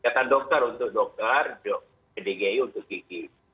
ikatan dr untuk dokter gdgi untuk gigi